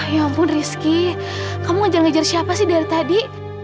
ya ampun rizky kamu ngejar ngejar siapa sih dari tadi